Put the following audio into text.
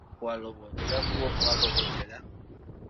Jakuo okwalo woche ga.